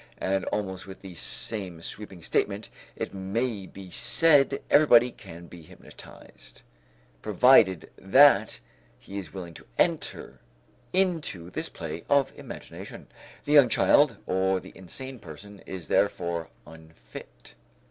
And almost with the same sweeping statement it may be said everybody can be hypnotized, provided that he is willing to enter into this play of imagination. The young child or the insane person is therefore unfit.